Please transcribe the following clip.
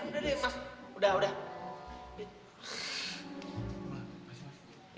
udah deh pas udah udah